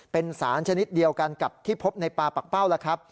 เป็นสารชนิดเดียวกันกับที่พบในปลาปักเป้าแล้วครับ